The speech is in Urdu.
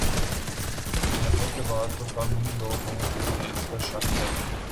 دھرنے کے بعد تو کم ہی لوگ ہیں جنہیں اس پر شک ہے۔